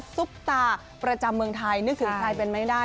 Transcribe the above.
ซุปตาประจำเมืองไทยนึกถึงใครเป็นไม่ได้